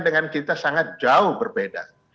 dengan kita sangat jauh berbeda